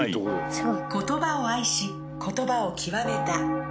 すごい。